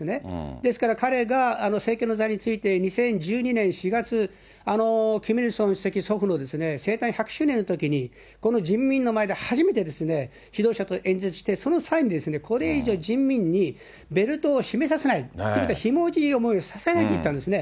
ですから彼が政権の座に就いて２０１２年４月、キム・イルソン主席、祖父の生誕１００周年のときにこの人民の前で、初めて、指導者として演説して、その際にこれ以上、人民にベルトを締めさせない、ということは、ひもじい思いをさせないって言ったんですね。